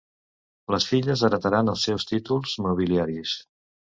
Les filles heretaren els seus títols nobiliaris.